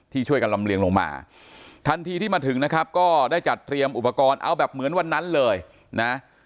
ช่วยกันลำเลียงลงมาทันทีที่มาถึงนะครับก็ได้จัดเตรียมอุปกรณ์เอาแบบเหมือนวันนั้นเลยนะ